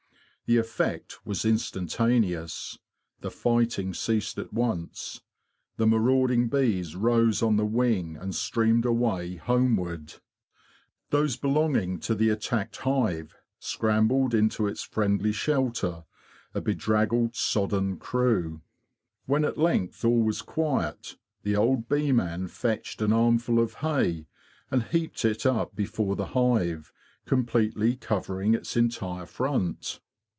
The effect was instantaneous. The fighting ceased at once. The marauding bees rose on the wing and streamed away homeward. Those belonging to the attacked THE HONEY THIEVES 129 hive scrambled into its friendly shelter, a bedraggled, sodden crew. When at length all was quiet, the old bee man fetched an armful of hay and heaped it up before the hive, completely covering its entire front.